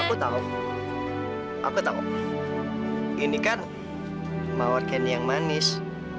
aku tahu aku tahu ini kan mawar candi yang manis